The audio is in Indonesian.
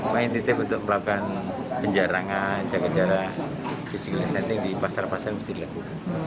main titik untuk melakukan penjarangan jaga jaga fisik dan senting di pasar pasar yang harus dilakukan